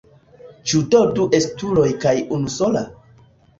Ĉu do du estuloj kaj unusola?